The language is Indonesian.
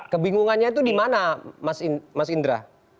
kebingungannya itu dimana mas indra